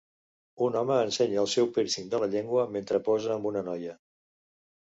Un home ensenya el seu pírcing de la llengua mentre posa amb una noia.